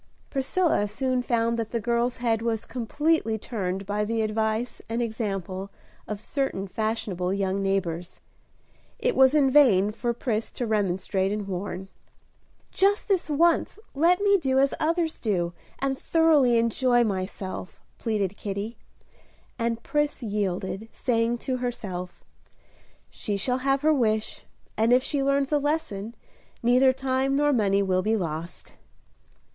Priscilla soon found that the girl's head was completely turned by the advice and example of certain fashionable young neighbors. It was in vain for Pris to remonstrate and warn. "Just this once let me do as others do, and thoroughly enjoy myself." pleaded Kitty; and Pris yielded, saying to herself, "She shall have her wish, and if she learns a lesson, neither time nor money will be lost."